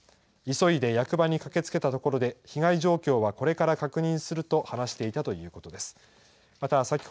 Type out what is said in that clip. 急いで役場に駆けつけたところで被害状況はこれから確認すると話していました。